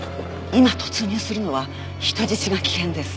今突入するのは人質が危険です。